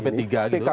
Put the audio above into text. pkb atau p tiga